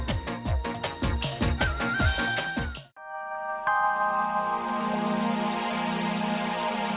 kenapa tidak teriak lagi sama aku